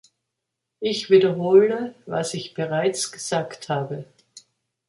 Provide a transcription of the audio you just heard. Ich wiederhole, was ich bereits gesagt habe.